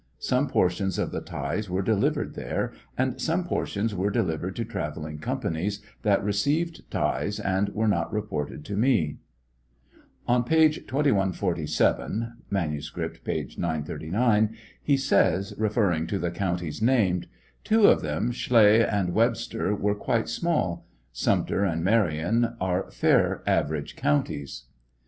Some portion of the tithes were delivered there, and some portions were delivered to travelling companies that received tithes, and were not reported to me. On page 2147, (manuscript, p. 939,) he says, referring to the counties named : Two of them, Schley and Webster, were quite small. Sumter and Marion are fair aver age counties.